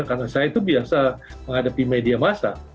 karena saya itu biasa menghadapi media massa